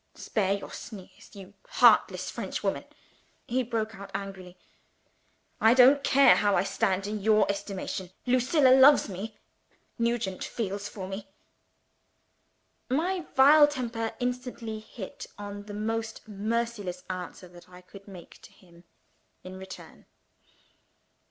"Spare your sneers, you heartless Frenchwoman!" he broke out angrily. "I don't care how I stand in your estimation. Lucilla loves me. Nugent feels for me." My vile temper instantly hit on the most merciless answer that I could make to him in return.